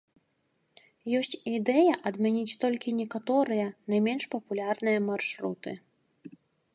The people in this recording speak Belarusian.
Ёсць ідэя адмяніць толькі некаторыя, найменш папулярныя маршруты.